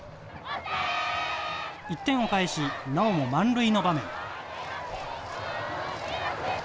１点を返しなおも満塁の場面。